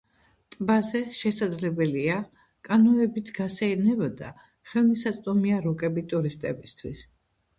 ტბაზე შესაძლებელია კანოეებით გასეირნება და ხელმისაწვდომია რუკები ტურისტებისთვის.